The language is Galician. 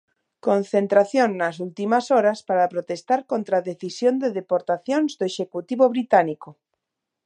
Concentración nas últimas horas para protestar contra a decisión de deportacións do Executivo británico.